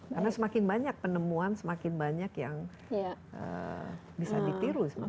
karena semakin banyak penemuan semakin banyak yang bisa ditiru sebenarnya